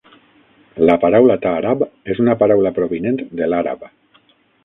La paraula Taarab és una paraula provinent de l'àrab.